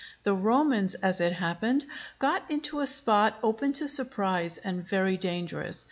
The Romans, as it happened, got into a spot open to surprise, and very dangerous.